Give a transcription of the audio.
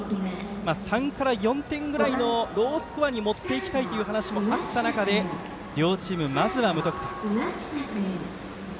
３から４点ぐらいのロースコアに持っていきたいという話もあった中で両チーム、まずは無得点。